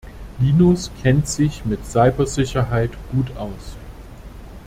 Linus kennt sich mit Cybersicherheit gut aus.